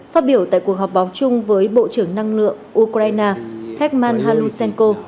phát biểu tại cuộc họp báo chung với bộ trưởng năng lượng ukraine hekman halusenko